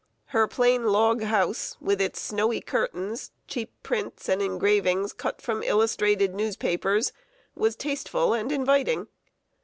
Her plain log house, with its snowy curtains, cheap prints, and engravings cut from illustrated newspapers, was tasteful and inviting.